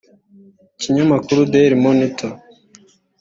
Ikinyamakuru Daily Monitor